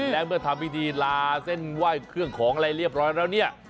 และเมื่อทำพิธีลาเส้นไหว้เครื่องของอะไรเรียบร้อยแล้วเนี่ย